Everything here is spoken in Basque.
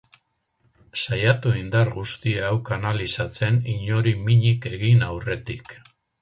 Saiatu indar guzti hau kanalizatzen inori minik egin aurretik.